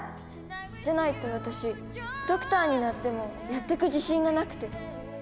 じゃないと私ドクターになってもやってく自信がなくて。